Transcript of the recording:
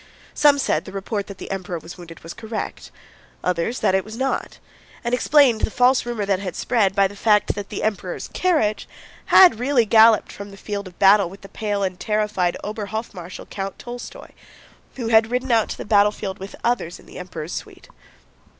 Some said the report that the Emperor was wounded was correct, others that it was not, and explained the false rumor that had spread by the fact that the Emperor's carriage had really galloped from the field of battle with the pale and terrified Ober Hofmarschal Count Tolstóy, who had ridden out to the battlefield with others in the Emperor's suite.